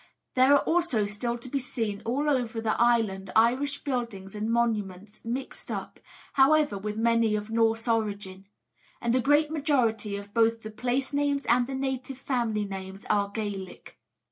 There are also still to be seen all over the island Irish buildings and monuments, mixed up, however, with many of Norse origin; and the great majority of both the place names and the native family names are Gaelic.